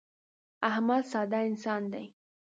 احمد ساده انسان دی.